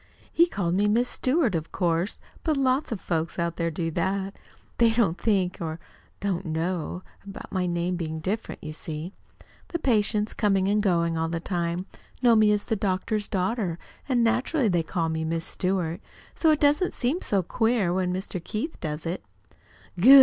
He called me Miss Stewart, of course but lots of folks out there do that. They don't think, or don't know, about my name being different, you see. The patients, coming and going all the time, know me as the doctor's daughter, and naturally call me 'Miss Stewart.' So it doesn't seem so queer when Mr. Keith does it." "Good!"